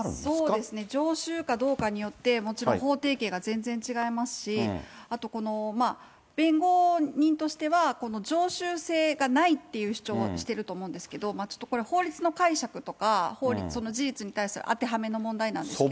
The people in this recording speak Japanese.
そうですね、常習かどうかによって、もちろん法定刑が全然違いますし、あとこの、弁護人としては、この常習性がないっていう主張をしてると思うんですけど、ちょっとこれ、法律の解釈とか、その事実について当てはめの問題なんですけど。